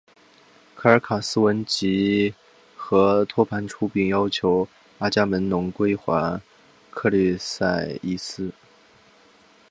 卡尔卡斯闻之即和盘托出并要求阿伽门侬归还克律塞伊斯。